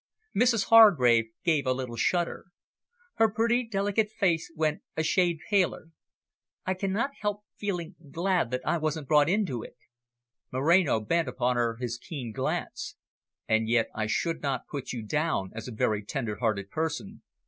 Mrs Hargrave gave a little shudder. Her pretty delicate face went a shade paler. "I cannot help feeling glad that I wasn't brought into it." Moreno bent upon her his keen glance. "And yet I should not put you down as a very tender hearted person."